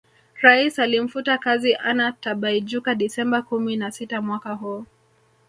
Rais alimfuta kazi Anna Tibaijuka Desemba kumi na sita mwaka huu